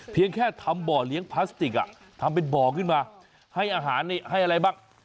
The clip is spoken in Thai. แค่ทำบ่อเลี้ยงพลาสติกทำเป็นบ่อขึ้นมาให้อาหารนี่ให้อะไรบ้าง